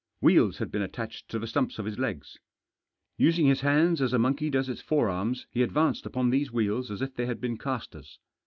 Wheels had been attached to the stumps of his legs. Using his hands as a monkey does its forearms, he advanced upon these wheels as if they had been castors.